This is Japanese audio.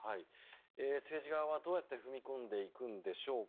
政治側はどうやって踏み込んでいくんでしょうか。